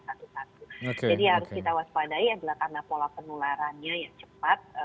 jadi harus kita waspadai adalah karena pola penularannya yang cepat